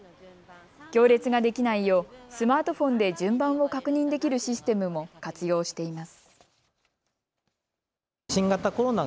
行列ができないようスマートフォンで順番を確認できるシステムも活用しています。